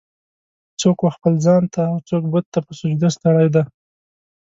"څوک و خپل ځان ته اوڅوک بت ته په سجده ستړی دی.